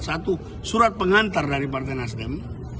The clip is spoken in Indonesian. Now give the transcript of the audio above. satu surat pengantar dari partai nasdem